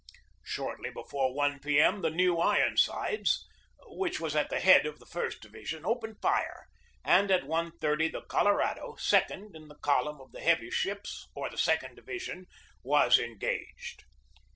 Shortly before I p. M., the New Ironsides, which was at the head of the first division, opened fire; and at 1.30 the Colorado, second in the column of the heavy ships, or the second division, was engaged.